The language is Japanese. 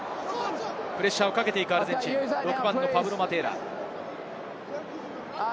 プレッシャーをかけていくアルゼンチン、パブロ・マテーラ。